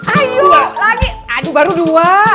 ayo langit aduh baru dua